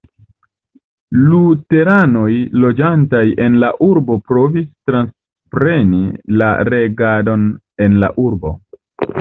Luteranoj loĝantaj en la urbo provis transpreni la regadon en la urbo.